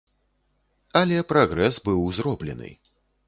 Але прагрэс быў зроблены.